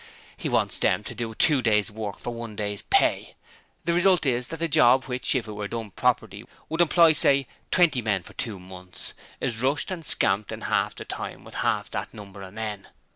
He wants them to do two days' work for one day's pay. The result is that a job which if it were done properly would employ say twenty men for two months, is rushed and scamped in half that time with half that number of men.